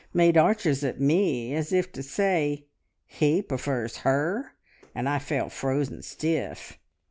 made arches at me, as if to say, `He prefers her!' and I felt frozen stiff.